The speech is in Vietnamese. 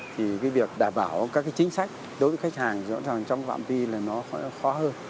thì việc đảm bảo các cái chính sách đối với khách hàng rõ ràng trong phạm vi là nó khó hơn